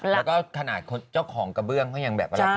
แล้วก็ขนาดเจ้าของกระเบื้องเขายังแบบรับรู้